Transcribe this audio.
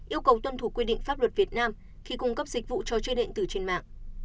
yêu cầu tuân thủ quy định pháp luật việt nam khi cung cấp dịch vụ trò chơi điện tử trên mạng